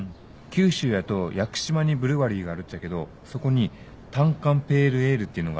九州やと屋久島にブルワリーがあるっちゃけどそこにたんかんペールエールっていうのがあって。